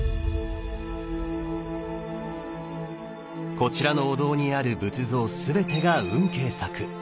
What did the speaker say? こちらのお堂にある仏像すべてが運慶作。